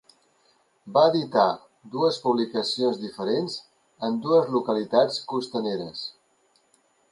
Va editar dues publicacions diferents en dues localitats costaneres.